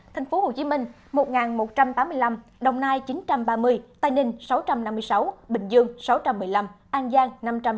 thành phố hồ chí minh một một trăm tám mươi năm đồng nai chín trăm ba mươi tây ninh sáu trăm năm mươi sáu bình dương sáu trăm một mươi năm an giang năm trăm chín mươi năm